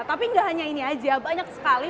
tapi nggak hanya ini aja banyak sekali